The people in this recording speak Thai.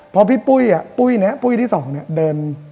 เพราะพี่ปุ้ยอ่ะปุ้ยที่สองเดิน